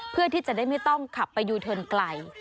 เพื่อที่จะได้ไม่ต้องขับไปยูเทิร์นไกล